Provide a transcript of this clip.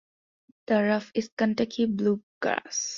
The rough is Kentucky Bluegrass.